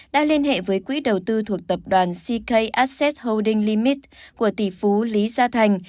đã liên hệ với quỹ đầu tư thuộc tập đoàn ck asset holding limit của tỷ phú lý gia thành